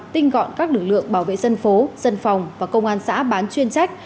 tinh gọn các lực lượng bảo vệ dân phố dân phòng và công an xã bán chuyên trách